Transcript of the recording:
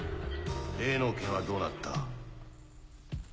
例の件はどうなった？